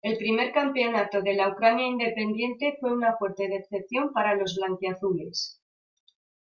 El primer campeonato de la Ucrania independiente fue una fuerte decepción para los blanquiazules.